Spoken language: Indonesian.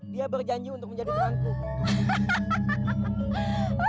dia berjanji untuk menjadi tukang